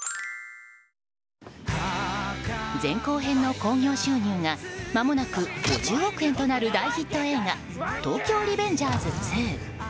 前後編の興行収入がまもなく５０億円となる大ヒット映画「東京リベンジャーズ２」。